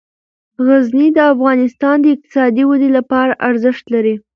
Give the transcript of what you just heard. غزني د افغانستان د اقتصادي ودې لپاره ارزښت لري.